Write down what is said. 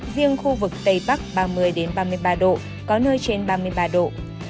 riêng khu vực tây bắc ba mươi ba mươi ba độ có nơi trên ba mươi ba độ